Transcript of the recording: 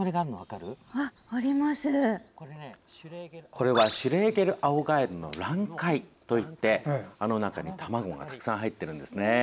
これはシュレーゲルアオガエルの卵塊といってあの中に卵がたくさん入っているんです。